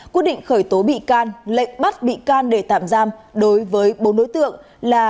quyết định khởi tố bị can lệnh bắt bị can để tạm giam đối với bốn đối tượng là